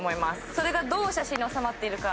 それがどう写真に納まってるか。